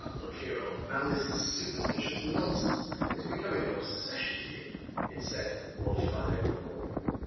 "Look here, old man, this superstitious nonsense is becoming an obsession to you," it said one fine April morning.